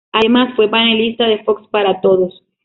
Además fue panelista de "Fox para todos".